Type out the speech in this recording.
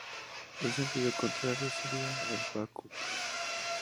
El sentido contrario sería el backup.